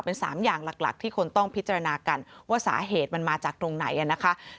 เป็น๓อย่างหลักที่คนต้องพิจารณากันว่าสาเหตุมันมาจากตรงไหนนะคะ